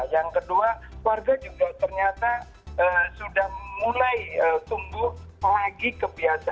yang kedua warga juga ternyata sudah mulai tumbuh lagi kebiasaan membawa kantong belanjanya sendiri